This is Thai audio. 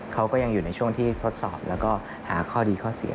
เขาก็ยังอยู่ในช่วงที่ทดสอบแล้วก็หาข้อดีข้อเสีย